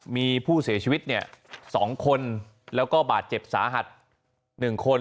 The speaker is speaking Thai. มีผู้เสียชีวิต๒คนแล้วก็บาดเจ็บสาหัส๑คน